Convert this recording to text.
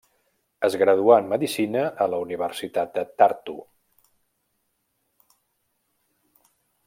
Es graduà en medicina a la Universitat de Tartu.